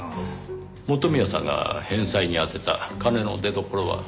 元宮さんが返済に充てた金の出どころは？